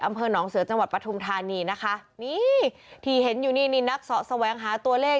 อำเภอหนองเสือจังหวัดปทุมธานีนะคะนี่ที่เห็นอยู่นี่นี่นักเสาะแสวงหาตัวเลข